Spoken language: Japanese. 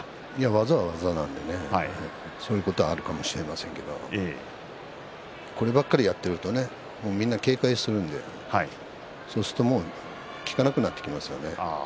技は技なのでそういうこともあるかもしれませんがこればかりやっているとみんなが警戒するのでそうすると効かなくなってきますね。